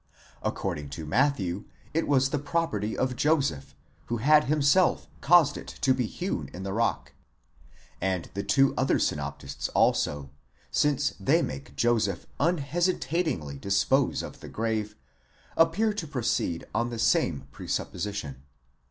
Ac cording to Matthew it was the property of Joseph, who had himself caused it to be hewn in the rock ; and the two other synoptists also, since they make Joseph unhesitatingly dispose of the grave, appear to proceed on the same pre supposition.